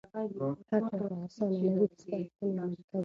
هرچاته آسانه نه وي د سپارښتنې عملي کول.